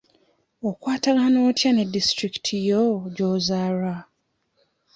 Okwatagana otya ne disitulikiti yo gy'ozaalwa?